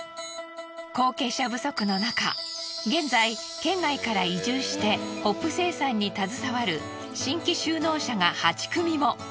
後継者不足のなか現在県外から移住してホップ生産に携わる新規就農者が８組も。